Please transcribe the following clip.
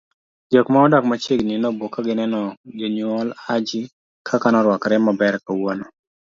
jok ma odak machiegni nobuok kagineno jonyuol Haji kaka noruakre maber kawuono